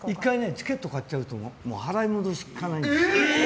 チケット買っちゃうと払い戻しきかないの。